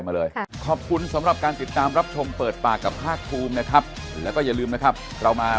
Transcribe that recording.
ถ้าไม่ส่งมานี่ก็คงจะโอนไปให้เขาทันทีเลยค่ะ